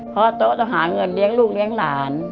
เพราะโต๊ะต้องหาเงินเลี้ยงลูกเลี้ยงหลาน